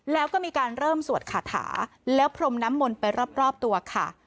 แล้วก็มีการเริ่มสวดคาถาแล้วพรมน้ำมนต์ไปรอบตัวค่ะ